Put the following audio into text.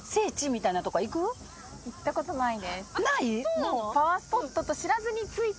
ない？